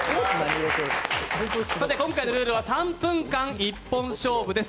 今回のルールは３分間一本勝負です